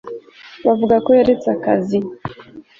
bavuga ko yaretse akazi